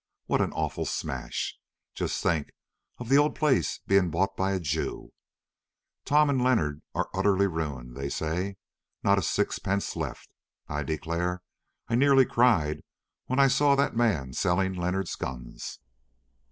What an awful smash! Just think of the old place being bought by a Jew! Tom and Leonard are utterly ruined, they say, not a sixpence left. I declare I nearly cried when I saw that man selling Leonard's guns."